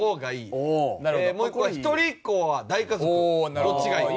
もう一個は「一人っ子ｏｒ大家族どっちがいい？」。